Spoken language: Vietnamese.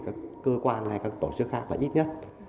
các cơ quan hay các tổ chức khác là ít nhất